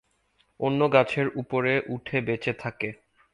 অন্য গাছের উপরে উঠে বেচে থাকে।